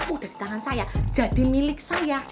oh dari tangan saya jadi milik saya